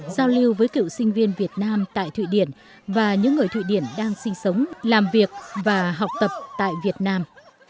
giao lưu với cựu sinh viên việt nam tại thụy điển và những người thụy điển đang sinh sống làm việc và học tập tại việt nam